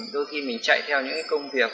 đôi khi mình chạy theo những công việc